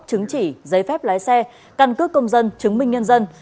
chứng chỉ giấy phép lái xe căn cước công dân chứng minh nhân dân